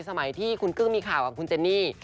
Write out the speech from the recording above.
สมัยที่คุณกึ้งมีข่าวกับคุณเจนนี่